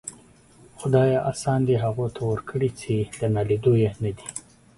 خداىه! آسان دي هغو ته ورکړي چې د ناليدو يې ندې.